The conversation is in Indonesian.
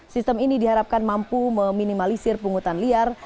sistem ini diharapkan mampu meminimalisir pungutan liar